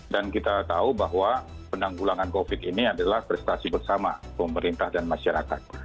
dan kita tahu bahwa penanggulangan covid ini adalah prestasi bersama pemerintah dan masyarakat